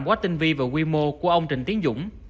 quá tinh vi và quy mô của ông trình tiến dũng